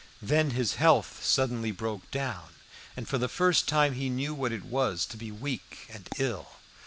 Then his health suddenly broke down, and for the first time he knew what it was to be weak and ill.